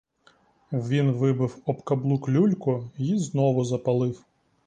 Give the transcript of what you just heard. Він вибив об каблук люльку й знову запалив.